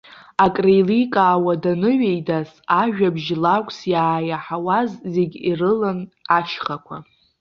Акреиликаауа даныҩеидас, ажәабжь лакәс иааиаҳауаз зегьы ирылан ашьхақәа.